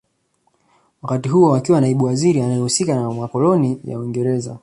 Wakati huo akiwa naibu waziri anaehusika na makoloni ya Uingereza